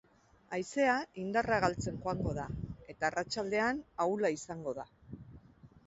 Haizea indarra galtzen joango da, eta arratsaldean ahula izango da.